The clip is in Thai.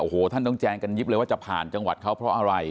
โอ้โหท่านต้องแจงกันยิบเลยว่าจะผ่านจังหวัดเขาเพราะอะไร